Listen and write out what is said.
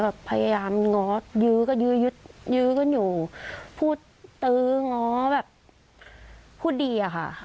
แบบพยายามง้อยื้อก็ยื้อยึดยื้อกันอยู่พูดตื้อง้อแบบพูดดีอะค่ะ